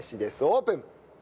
オープン！